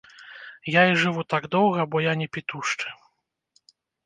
Я і жыву так доўга, бо я не пітушчы.